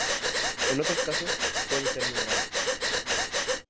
En otros casos, puede ser muy grave.